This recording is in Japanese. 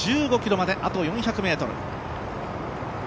１５ｋｍまで、あと４００ｍ。